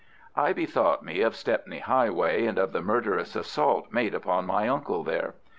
I bethought me of Stepney Highway and of the murderous assault made upon my uncle there.